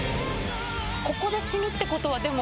ここで死ぬってことはでも。